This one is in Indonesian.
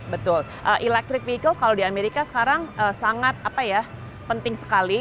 betul electric vehicle kalau di amerika sekarang sangat penting sekali